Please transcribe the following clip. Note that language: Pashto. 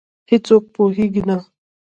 هیڅوک پوهېږې نه،